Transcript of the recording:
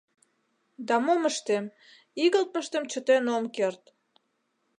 Да мом ыштем — игылтмыштым чытен ом керт.